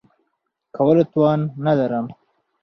کولو توان نه لرم .